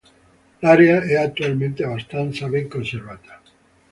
L'area è attualmente abbastanza ben conservata.